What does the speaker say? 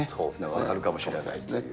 分かるかもしれないという。